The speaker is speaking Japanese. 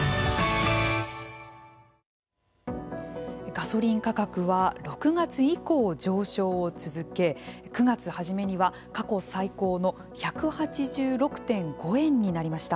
ガソリン価格は６月以降上昇を続け９月初めには過去最高の１８６．５円になりました。